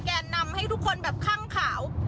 กินให้ดูเลยค่ะว่ามันปลอดภัย